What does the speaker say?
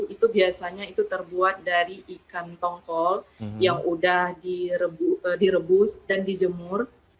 itu biasanya itu terbuat dari ikan tongkol yang udah direbus dan dijemur